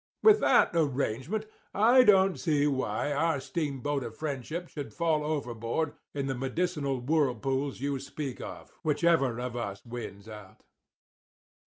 With that arrangement I don't see why our steamboat of friendship should fall overboard in the medicinal whirlpools you speak of, whichever of us wins out.